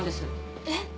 えっ！？